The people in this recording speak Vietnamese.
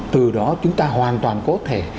từ đó chúng ta hoàn toàn có thể